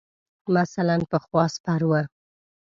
مثلاً پخوا سپر ؤ.